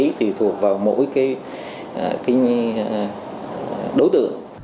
nó tùy thuộc vào mỗi đối tượng